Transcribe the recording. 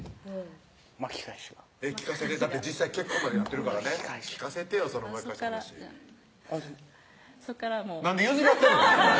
巻き返しが聞かせてだって実際結婚までなってるからね聞かせてよその盛り返した話そこからじゃああっでもなんで譲り合ってんの？